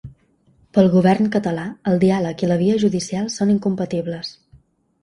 Pel govern català, el diàleg i la via judicial són incompatibles.